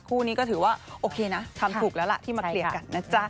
คู่นี้ก็ถือว่าโอเคนะทำถูกแล้วล่ะที่มาเคลียร์กันนะจ๊ะ